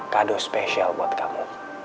kado spesial buat kamu